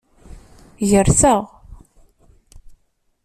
Gerseɣ.